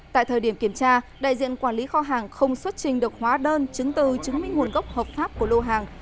tại thời điểm kiểm tra đại diện quản lý kho hàng không xuất trình được hóa đơn chứng từ chứng minh nguồn gốc hợp pháp của lô hàng